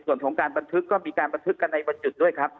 ส่วนของการบันทึกก็มีการบันทึกกันในวันจุดด้วยครับ